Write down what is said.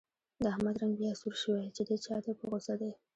د احمد رنګ بیا سور شوی، چې دی چا ته په غوسه دی.